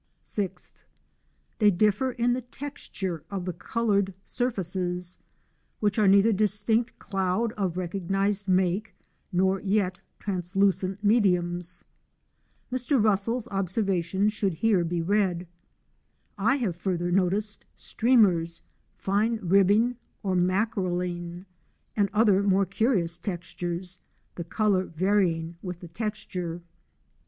(6) Tliey differ in the texture of the coloured surfaces, which are neither distinct cloud of recognised make nor yet translucent mediums. Mr. Russell's observations should here be read. I have further noticed streamers, fine ribbing or mackerelling, and other more curious textures, the colour varying with the texture.